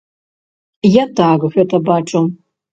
Я так гэта бачу.